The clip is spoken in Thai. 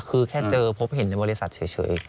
คือแค่เจอพบเห็นในบริษัทเฉย